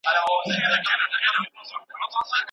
.پر وزرونو مي شغلې د پانوس پور پاته دي